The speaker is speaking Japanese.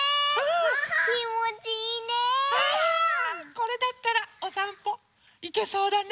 これだったらおさんぽいけそうだね。